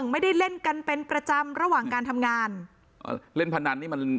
ไม่ได้เล่นกันเป็นประจำระหว่างการทำงานเล่นพนันนี่มัน